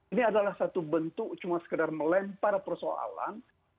ini adalah satu bentuk cuma sekedar melempar persoalan